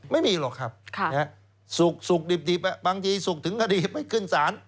ไม่มีหรอกครับสุขดิบบางทีสุขถึงคดีไม่ขึ้นศาล